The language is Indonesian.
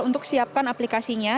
untuk siapkan aplikasinya